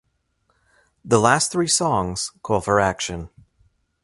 The last three songs call for action.